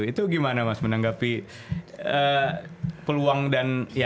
itu gimana mas menanggapi peluang dan ya